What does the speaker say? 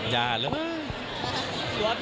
ยาหรือมาก